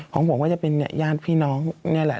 ของผมก็จะเป็นญาติพี่น้องนี่แหละ